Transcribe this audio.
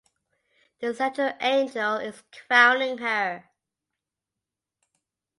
The central angel is crowning her.